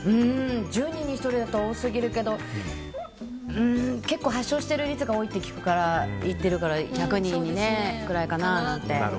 １０人に１人だと多すぎるけど結構発症してる率が高いって聞くから１００人くらいかなって。